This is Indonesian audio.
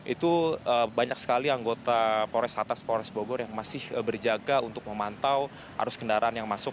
itu banyak sekali anggota pores atas polres bogor yang masih berjaga untuk memantau arus kendaraan yang masuk